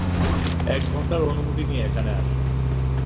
এক ঘন্টার অনুমতি নিয়ে এখানে আসো।